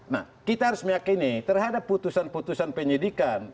nah kita harus meyakini terhadap putusan putusan penyidikan